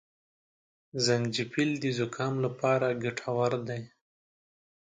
زنجپيل د زکام لپاره ګټور دي